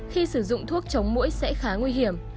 khi sử dụng thuốc chống mũi sẽ khá nguy hiểm